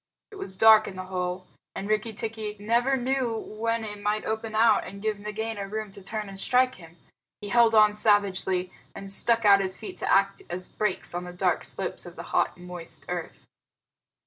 It was dark in the hole; and Rikki tikki never knew when it might open out and give Nagaina room to turn and strike at him. He held on savagely, and stuck out his feet to act as brakes on the dark slope of the hot, moist earth.